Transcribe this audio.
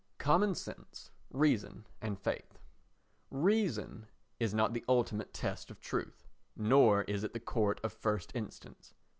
Common Sense, Reason and Faith Reason is not the ultimate test of truth nor is it the court of first instance.